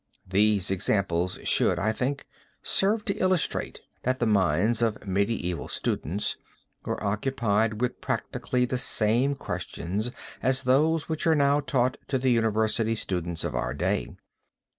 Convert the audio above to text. These examples should, I think, serve to illustrate that the minds of medieval students were occupied with practically the same questions as those which are now taught to the university students of our day.